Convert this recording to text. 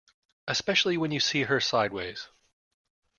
Especially when you see her sideways.